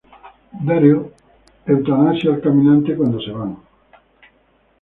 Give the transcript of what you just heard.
Daryl eutanasia al caminante cuando se van.